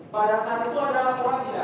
pada saat itu adalah orang ya